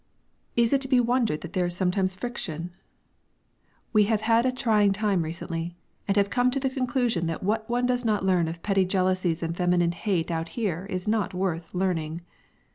Is it to be wondered that there is sometimes friction? We have had a trying time recently, and have come to the conclusion that what one does not learn of petty jealousy and feminine hate out here is not worth learning!